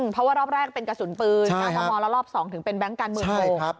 เพราะว่ารอบแรกเป็นกระสุนปืน๙มมแล้วรอบ๒ถึงเป็นแบงค์การเมืองถูก